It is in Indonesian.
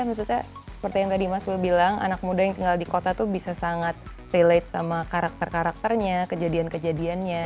maksudnya seperti yang tadi mas wil bilang anak muda yang tinggal di kota tuh bisa sangat relate sama karakter karakternya kejadian kejadiannya